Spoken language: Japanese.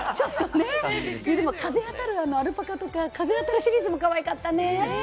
でも風当たるアルパカとか、風当たりシリーズもかわいかったね。